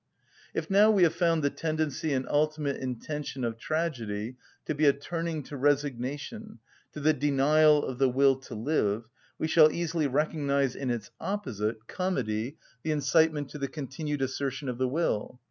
If now we have found the tendency and ultimate intention of tragedy to be a turning to resignation, to the denial of the will to live, we shall easily recognise in its opposite, comedy, the incitement to the continued assertion of the will.